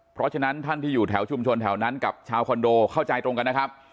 เพราะฉะนั้นท่านที่อยู่แถวชุมชนแถวนั้นกับชาวคอนโดเข้าใจตรงกันนะครับ